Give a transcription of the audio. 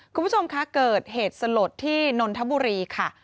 คุณผู้ชมคะเกิดเหตุสลดที่นนทบุรีค่ะ